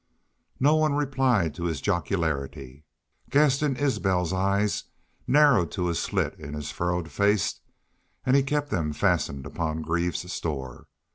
No one replied to his jocularity. Gaston Isbel's eyes narrowed to a slit in his furrowed face and he kept them fastened upon Greaves's store.